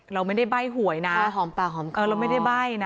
เราไม่ได้ใบ้หวยนะหอมปากหอมเกอร์เราไม่ได้ใบ้นะ